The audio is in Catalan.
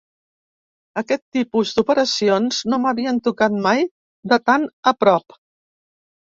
Aquest tipus d’operacions no m’havien tocat mai de tan a prop.